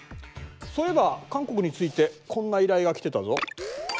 そういえば韓国についてこんな依頼が来てたぞ。